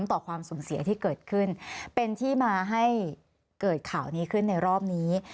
ต่อความสูญเสียที่เกิดขึ้นเป็นที่มาให้เกิดข่าวนี้ขึ้นในรอบนี้